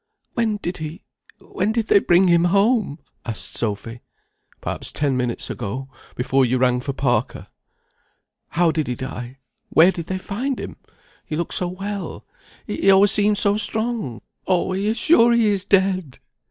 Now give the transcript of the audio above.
"When did he when did they bring him home?" asked Sophy. "Perhaps ten minutes ago. Before you rang for Parker." "How did he die? Where did they find him? He looked so well. He always seemed so strong. Oh! are you sure he is dead?"